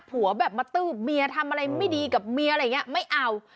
แบบมาตืบเมียทำอะไรไม่ดีกับเมียอะไรอย่างนี้ไม่เอา